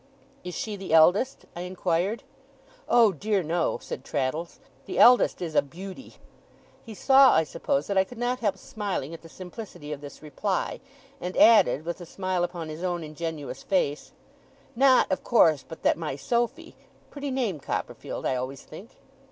'Is she the eldest?' I inquired. 'Oh dear, no,' said Traddles. 'The eldest is a Beauty.' He saw, I suppose, that I could not help smiling at the simplicity of this reply; and added, with a smile upon his own ingenuous face: 'Not, of course, but that my Sophy pretty name, Copperfield, I always think?